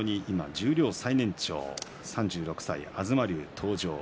十両最年長３６歳の東龍が登場。